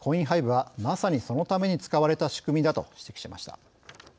ハイブは、まさにそのために使われた仕組みだと指摘しました。